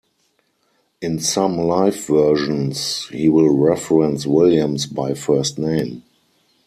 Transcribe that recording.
In some live versions, he will reference Williams by first name.